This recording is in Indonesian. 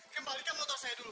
kembalikan motor saya dulu